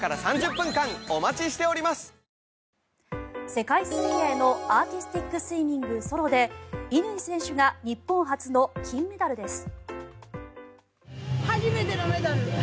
世界水泳のアーティスティックスイミングソロで乾選手が日本発の金メダルです。